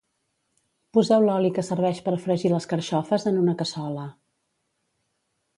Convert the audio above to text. Poseu l'oli que serveix per fregir les carxofes en una cassola.